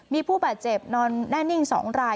มีผู้บาดเจ็บนอนแน่นิ่ง๒ราย